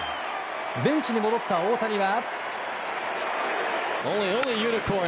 ベンチに戻った大谷は。